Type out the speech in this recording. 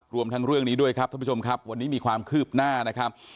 รวมทั้งเรื่องนี้ด้วยครับท่านผู้ชมครับวันนี้มีความคืบหน้านะครับ